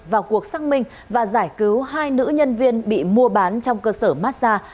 vào cuộc xác minh và giải cứu hai nữ nhân viên bị mua bán trong cơ sở mát xa